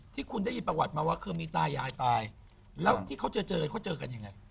ที่คุณได้ยินประวัติมาว่าเคยมีตายายตายแล้วที่เขาเจอเจอเขาเจอกันยังไง